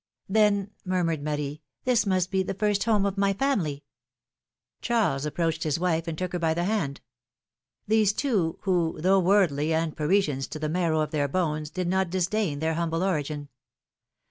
^' Then/^ murmured Marie, this must be the first home of niy family.'' Charles approached his wife, and took her by the hand. These two, who, though worldly and Parisians to the marrow of their bones, did not disdain their humble origin.